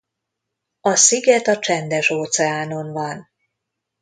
A Sziget a Csendes-óceánon van.